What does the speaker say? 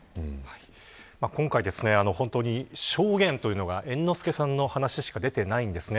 今回、本当に証言というのが猿之助さんの話しか出ていないんですね。